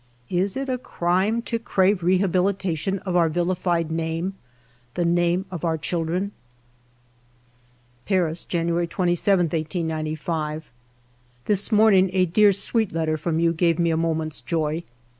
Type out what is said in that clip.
Is it a crime to crave rehabilitation of our vilified name, the name of our children ?"Paris, January 27, 1895. " This morning a dear, sweet letter from you gave me a moment's joy.